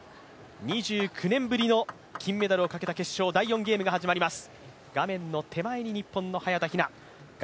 ２９年ぶりの金メダルをかけた決勝、第４ゲームが始まります。